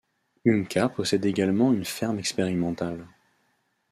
Umka possède également une ferme expérimentale.